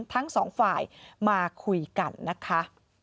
ทั้งสองฝ่ายมาคุยกันนะคะ